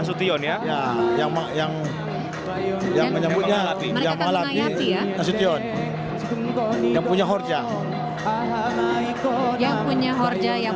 sution ya yang yang yang menyebutnya yang malah dia sution yang punya horja yang punya horja yang